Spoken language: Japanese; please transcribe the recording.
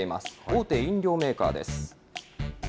大手飲料メーカーです。